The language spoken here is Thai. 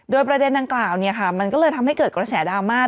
โดยประเด็นดังกล่าวมันก็เลยทำให้เกิดกระแสดราม่า